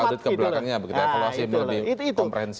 sampai audit ke belakangnya begitu evaluasi lebih komprehensif